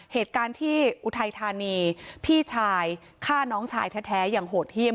เหตุการณ์ที่อุทัยธานีพี่ชายฆ่าน้องชายแท้อย่างโหดเยี่ยม